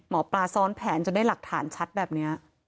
หมอปลาซ้อนแผนจนได้หลักฐานชัดแบบนี้